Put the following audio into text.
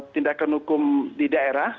tindakan hukum di daerah